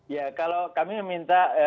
ya kalau kami meminta